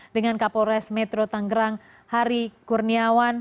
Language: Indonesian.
dengan kapolres metro tanggerang hari kurniawan